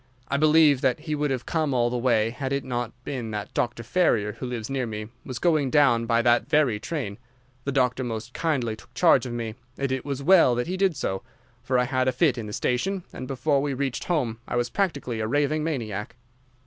I believe that he would have come all the way had it not been that Dr. Ferrier, who lives near me, was going down by that very train. The doctor most kindly took charge of me, and it was well he did so, for I had a fit in the station, and before we reached home I was practically a raving maniac.